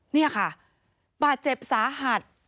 นี่ค่ะบาดเจ็บสาหัส